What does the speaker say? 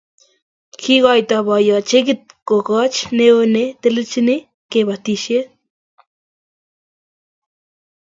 Kiikoito boiyot chekit kokoch neo ne telelchini kabatisiet